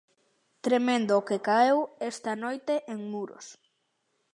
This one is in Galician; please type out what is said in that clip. Tremendo o que caeu esta noite en Muros.